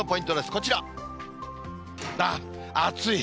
こちら、暑い。